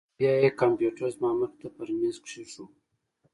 بيا يې کمپيوټر زما مخې ته پر ميز کښېښوو.